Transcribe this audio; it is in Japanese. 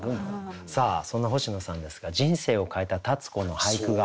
さあそんな星野さんですが人生を変えた立子の俳句があると。